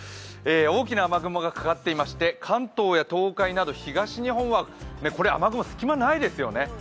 大きな雨雲がかかっていまして、関東や東海など東日本は雨雲隙間がないですよね。